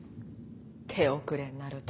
手遅れになると。